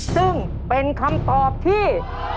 ซึ่งเป็นคำตอบที่